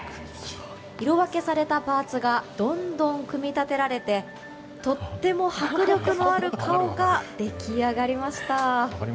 色分けされたパーツがどんどん組み立てられてとっても迫力のある顔が出来上がりました。